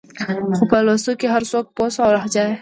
خو په لوستو کې هر څوک پوه شه او لهجه يې